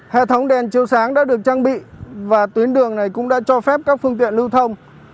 hệ thống đèn chiêu sáng đã được trang bị và tuyến đường này cũng đã cho phép các phương tiện lưu thông